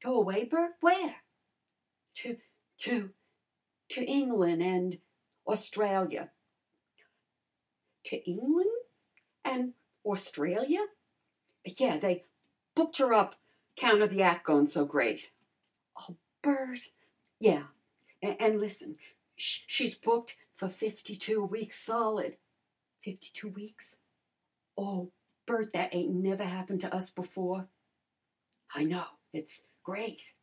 "Go away, Bert! Where?" "To to Englund, an' Australia." "To Englund, an' Australia?" "Yeah, they booked her up 'count o' the ac' goin' so great." "Oh, Bert!" "Yeah. An' lissen. She's booked for fifty two weeks solid!" "Fifty two weeks! Oh, Bert, that ain't never happened to us before!" "I know. It's great!"